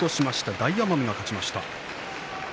大奄美が勝ちました。